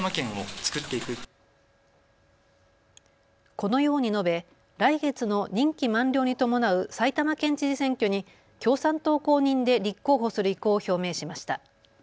このように述べ来月の任期満了に伴う埼玉県知事選挙に共産党公認で立候補する意向を表明しました。